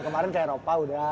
kemarin ke eropa udah